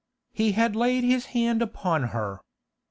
He had laid his hand upon her.